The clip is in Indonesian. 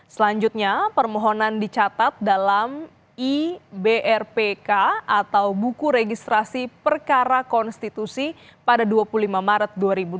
selanjutnya permohonan dicatat dalam ibrpk atau buku registrasi perkara konstitusi pada dua puluh lima maret dua ribu dua puluh